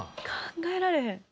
考えられへん。